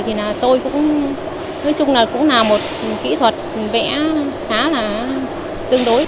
thì là tôi cũng nói chung là cũng là một kỹ thuật vẽ khá là tương đối